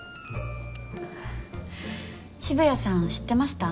渋谷さん知ってました？